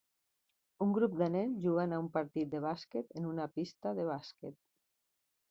Un grup de nens jugant a un partit de bàsquet en una pista de bàsquet